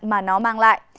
mà nó mang lại